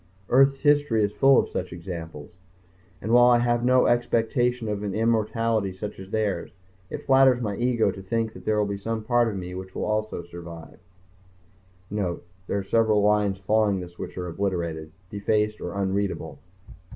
Earth's history is full of such examples. And while I have no expectation of an immortality such as theirs, it flatters my ego to think that there will be some part of me which also will survive ... _(Note: There are several lines following this which are obliterated, defaced or unreadable.